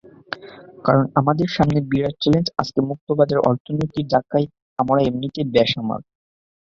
কারণ আমাদের সামনে বিরাট চ্যালেঞ্জ, আজকে মুক্তবাজার অর্থনীতির ধাক্কায় আমরা এমনিতেই বেসামাল।